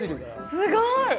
すごい！